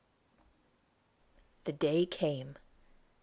The day came.